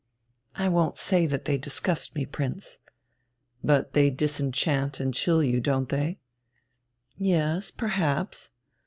"I won't say that they disgust me, Prince." "But they disenchant and chill you, don't they?" "Yes, perhaps."